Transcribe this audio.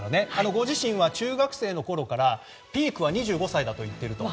ご自身は、中学生のころからピークは２５歳だと言っていると。